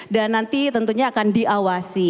dan nanti tentunya akan diawasi